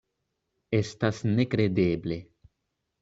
Estas nekredeble.